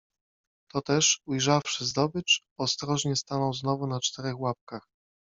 Toteż, ujrzawszy zdobycz, ostrożnie stanął znowu na czterech łapkach.